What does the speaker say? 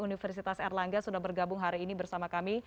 universitas erlangga sudah bergabung hari ini bersama kami